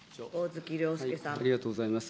ありがとうございます。